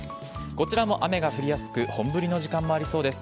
こちらも雨が降りやすく、本降りの時間もありそうです。